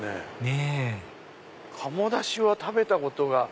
ねぇ鴨だしは食べたことが。